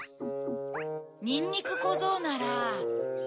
にんにくこぞうなら。